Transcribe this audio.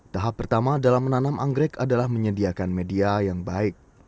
tahap pertama dalam menanam anggrek adalah menyediakan media yang baik